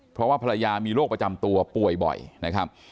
เพราะว่าภรรยามีโรคประจำตัวป่วยบ่อยนะครับ